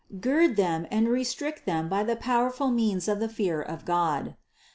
Gird them and restrict them by the powerful means of the fear of God.